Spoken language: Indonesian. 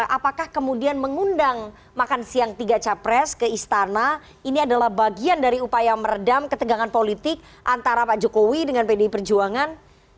apakah kemudian mengundang makan siang tiga capres ke istana ini adalah bagian dari upaya meredam ketegangan politik antara pak jokowi dengan pdi perjuangan